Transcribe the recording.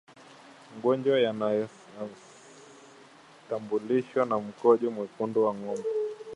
Magonjwa yanayotambulishwa na mkojo mwekundu kwa ngombe